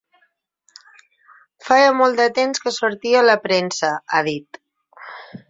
“Feia molt de temps que sortia a la premsa”, ha dit.